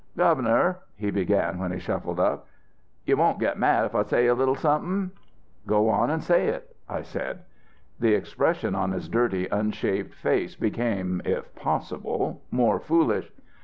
"'Governor,' he began, when he shuffled up, 'you won't get mad if I say a little somethin'?' "'Go on and say it,' I said. "The expression on his dirty unshaved face became, if possible, more foolish.